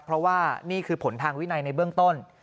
เพราะว่านี่คือผลทางวินัยในเบื้องต้น